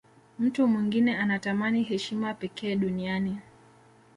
mtu mwingine anatamani heshima pekee duniani